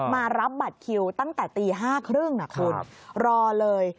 มารับบัตรคิวตั้งแต่ตี๕๓๐นะคุณรอเลย